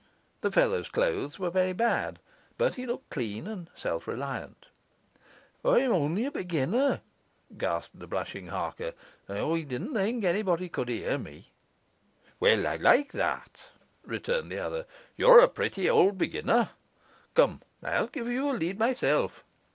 The fellow's clothes were very bad, but he looked clean and self reliant. 'I'm only a beginner,' gasped the blushing Harker, 'I didn't think anybody could hear me.' 'Well, I like that!' returned the other. 'You're a pretty old beginner. Come, I'll give you a lead myself.